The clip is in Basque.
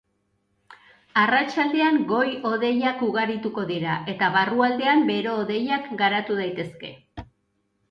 Arratsaldean goi-hodeiak ugarituko dira eta barrualdean bero-hodeiak garatu daitezke.